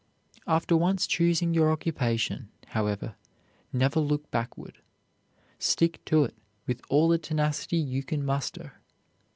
After once choosing your occupation, however, never look backward; stick to it with all the tenacity you can muster.